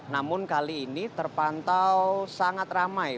namun kali ini terpantau sangat ramai